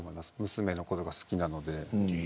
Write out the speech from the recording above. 娘のことが好きなので。